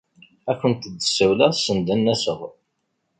Ad akent-d-ssawleɣ send ad n-aseɣ.